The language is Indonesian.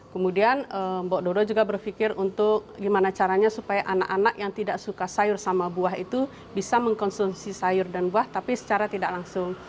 kemudian mbak dodo juga berpikir untuk gimana caranya supaya anak anak yang tidak suka sayur sama buah itu bisa mengkonsumsi sayur dan buah tapi secara tidak langsung